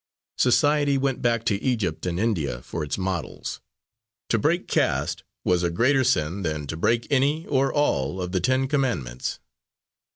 Society went back to Egypt and India for its models; to break caste was a greater sin than to break any or all of the ten commandments.